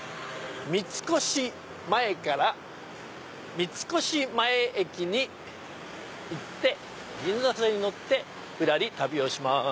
三越前から三越前駅に行って銀座線に乗ってぶらり旅をします。